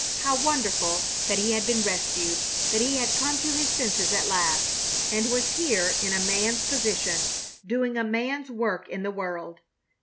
How wonderful that he had been rescued! That he had come to his senses at last, and was here in a man's position, doing a man's work in the world!